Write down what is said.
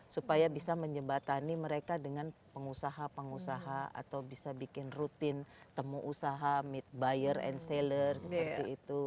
supaya bisa menjebatani mereka dengan pengusaha pengusaha atau bisa bikin rutin temu usaha meet buyer and seller seperti itu